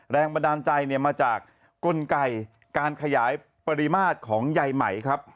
แรงบันดาลใจมาจากกลไกการขยายปริมาตรของใยไหมครับ